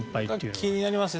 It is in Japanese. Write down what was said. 気になりますよね。